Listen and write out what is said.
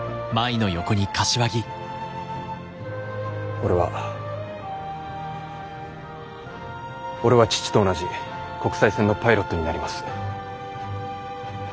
俺は俺は父と同じ国際線のパイロットになります。